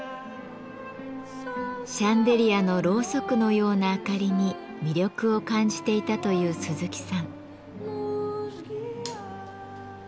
シャンデリアのろうそくのような明かりに魅力を感じていたという鈴木さん。